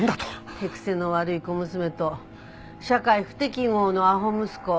手癖の悪い小娘と社会不適合のあほ息子。